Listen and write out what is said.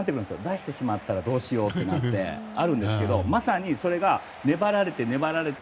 出してしまったらどうしようっていうのがあるんですけどまさにそれが粘られて粘られて。